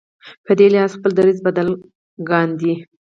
په دې لحاظ خپل دریځ بدل کاندي.